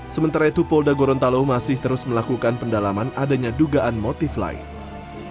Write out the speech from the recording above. sementara itu polda gorontalo masih terus melakukan pendalaman adanya dugaan motif lain